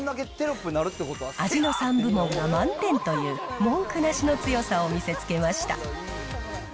味の３部門が満点という、文句なしの強さを見せつけました。